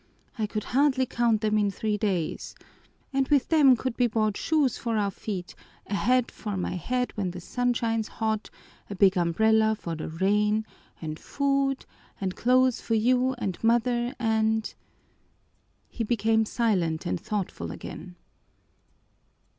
I could hardly count them in three days; and with them could be bought shoes for our feet, a hat for my head when the sun shines hot, a big umbrella for the rain, and food, and clothes for you and mother, and " He became silent and thoughtful again.